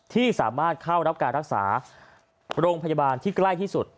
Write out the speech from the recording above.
ที่สามารถเข้ารับการรักษาโรงพยาบาลที่ใกล้ที่สุด